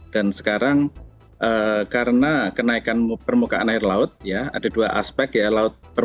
dan sekarang karena kenaikan permukaan air laut ya ada dua aspek ya